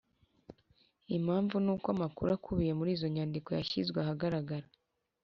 Impamvu nuko amakuru akubiye muri izo nyandiko yashyizwe ahagaragara